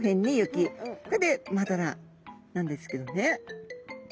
これで「真鱈」なんですけどね。